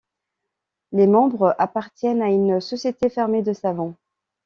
Les membres appartiennent à une société fermée de savants.